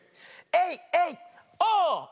エイエイオー！